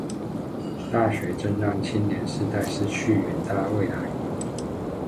大學正讓青年世代失去遠大未來